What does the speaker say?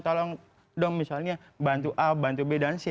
tolong dong misalnya bantu a bantu b dan c